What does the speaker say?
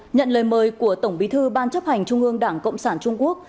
nhận lời mời của tổng bí thư ban chấp hành trung ương đảng cộng sản trung quốc